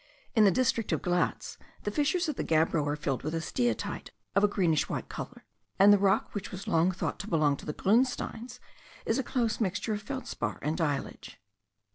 In the district of Glatz the fissures of the gabbro are filled with a steatite of a greenish white colour, and the rock which was long thought to belong to the grunsteins* is a close mixture of feldspar and diallage.